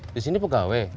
di sini pegawai